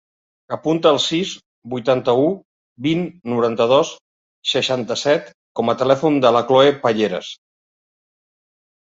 Apunta el sis, vuitanta-u, vint, noranta-dos, seixanta-set com a telèfon de la Chloé Payeras.